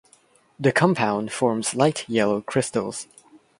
The compound forms light yellow crystals.